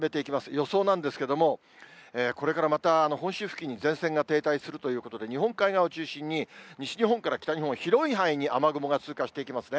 予想なんですけれども、これからまた本州付近に前線が停滞するということで、日本海側を中心に、西日本から北日本、広い範囲に雨雲が通過していきますね。